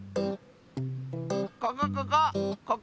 ここここ！